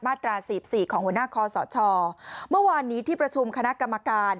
ตราสี่สิบสี่ของหัวหน้าคอสชเมื่อวานนี้ที่ประชุมคณะกรรมการ